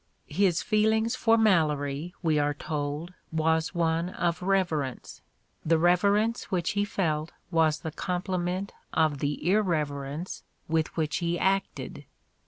His feelings for Malory, we are told, was one of "reverence": the reverence which he felt was the complement of the irreverence with which he acted.